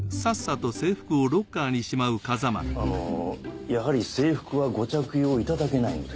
あのやはり制服はご着用いただけないので？